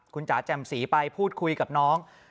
คุณจ๋าแจ่มสีไปพูดคุยกับน้อง